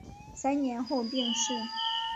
三年后病逝。